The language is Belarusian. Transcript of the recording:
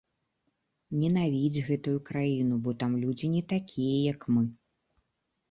Ненавідзь гэтую краіну, бо там людзі не такія, як мы.